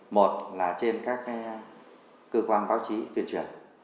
một là trên các cơ quan báo chí tuyên truyền